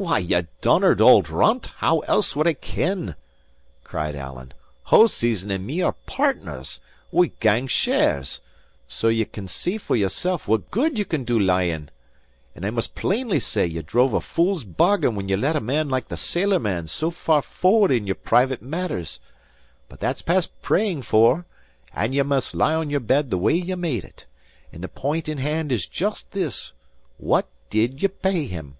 "Why, ye donnered auld runt, how else would I ken?" cried Alan. "Hoseason and me are partners; we gang shares; so ye can see for yoursel' what good ye can do leeing. And I must plainly say ye drove a fool's bargain when ye let a man like the sailor man so far forward in your private matters. But that's past praying for; and ye must lie on your bed the way ye made it. And the point in hand is just this: what did ye pay him?"